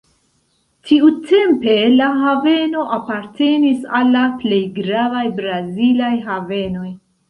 Tiutempe la haveno apartenis al la plej gravaj brazilaj havenoj.